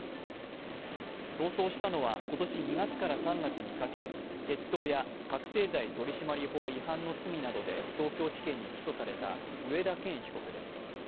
逃走したのは今年２月から３月にかけ窃盗や覚醒剤取締法違反の罪などで東京地検に起訴された上田健被告です。